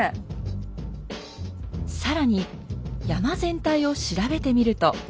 更に山全体を調べてみると。